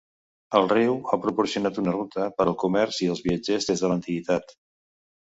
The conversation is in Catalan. El riu ha proporcionat una ruta per al comerç i els viatges des de l'antiguitat.